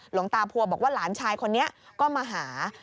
หลวงตาพัวบอกว่าหลานชายคนนี้ก็มาหา